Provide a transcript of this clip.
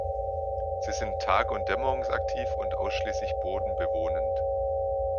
Sie sind tag- und dämmerungsaktiv und ausschließlich bodenbewohnend.